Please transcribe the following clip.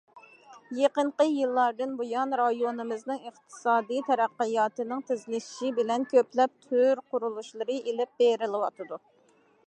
يېقىنقى يىللاردىن بۇيان، رايونىمىزنىڭ ئىقتىسادىي تەرەققىياتىنىڭ تېزلىشىشى بىلەن كۆپلەپ تۈر قۇرۇلۇشلىرى ئېلىپ بېرىلىۋاتىدۇ.